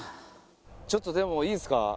ちょっとでもいいですか？